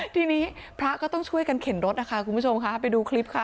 ทีนี้พระก็ต้องช่วยกันเข็นรถนะคะคุณผู้ชมค่ะไปดูคลิปค่ะ